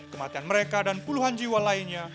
kematian mereka dan puluhan jiwa lainnya